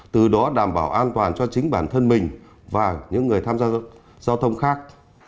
từ đó đảm bảo an toàn cho chính bản thân mình và những người tham gia giao thông khác